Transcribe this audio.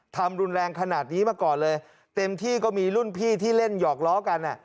ทำรุนแรงขนาดนี้มาก่อนเลยเต็มที่ก็มีรุ่นพี่ที่เล่นหยอกล้อกัน